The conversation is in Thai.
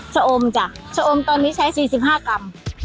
ชะอมจ้ะสะอมตอนนี้ใช้๔๕กรัม